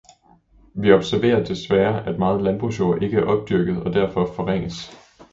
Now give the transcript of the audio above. Vi observerer desværre, at meget landbrugsjord ikke er opdyrket og derfor forringes.